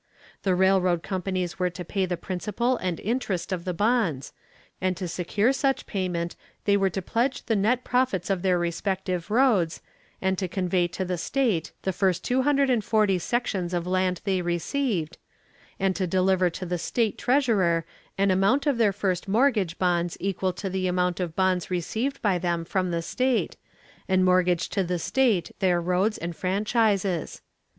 The railroad companies were to pay the principal and interest of the bonds, and to secure such payment they were to pledge the net profits of their respective roads, and to convey to the state the first two hundred and forty sections of land they received, and to deliver to the state treasurer an amount of their first mortgage bonds equal to the amount of bonds received by them from the state, and mortgage to the state their roads and franchises.